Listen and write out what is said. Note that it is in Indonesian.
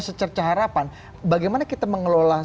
secerca harapan bagaimana kita mengelola